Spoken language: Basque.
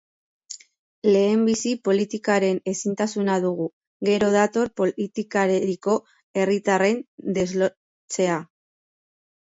Lehenbizi politikaren ezintasuna dugu, gero dator politikarekiko herritarren deslotzea.